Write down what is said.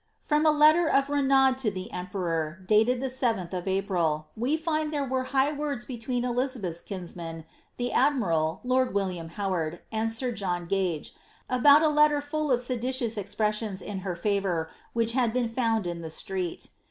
'' From a letter of Renaud to the emperor, dated the 7th of April, we find there were high words between Elizabeth's kinsman, the admiral, lord William Howard, and sir John Gage, about a letter full of seditious expressions in her favour, which had been found in the street.